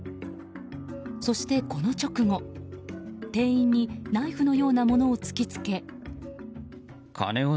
そして、この直後、店員にナイフのようなものを突きつけ。